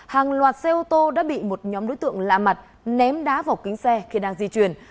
hàng loạt xe ô tô đã bị một nhóm đối tượng lạ mặt ném đá vào kính xe khi đang di chuyển